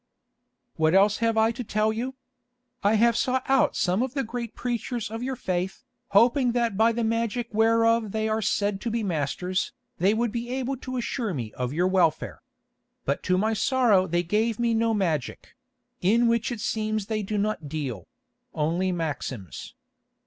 "What else have I to tell you? I have sought out some of the great preachers of your faith, hoping that by the magic whereof they are said to be masters, they would be able to assure me of your welfare. But to my sorrow they gave me no magic—in which it seems they do not deal—only maxims.